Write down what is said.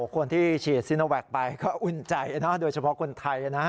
คนที่ฉีดซีโนแวคไปก็อุ่นใจโดยเฉพาะคนไทยนะ